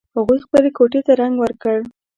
هغوی خپلې کوټې ته رنګ ور کړ